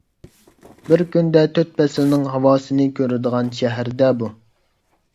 بىر كۈندە تۆت پەسىلنىڭ ھاۋاسىنى كۆرىدىغان شەھەر-دە بۇ!